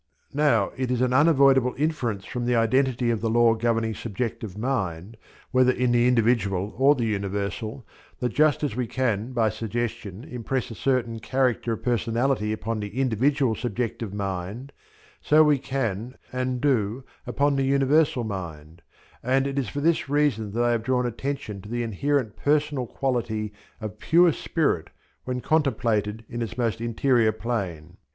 Now it is an unavoidable inference from the identity of the law governing subjective mind, whether in the individual or the universal, that just as we can by suggestion impress a certain character of personality upon the individual subjective mind, so we can, and do, upon the Universal Mind; and it is for this reason that I have drawn attention to the inherent personal quality of pure spirit when contemplated in its most interior plane.